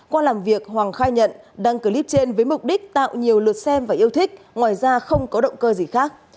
qua làm việc hoàng khai nhận đăng clip trên với mục đích tạo nhiều lượt xem và yêu thích ngoài ra không có động cơ gì khác